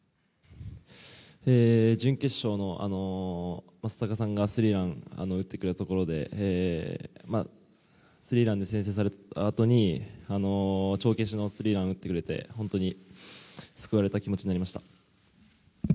準決勝の正尚さんがスリーランを打ってくれたとこでスリーランで先制されたあとに帳消しのスライダー打ってくれて本当に救われた気持ちになりました。